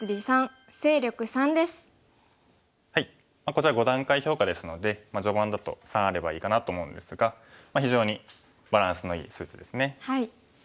こちら５段階評価ですので序盤だと３あればいいかなと思うんですが非常にバランスのいい数値ですね。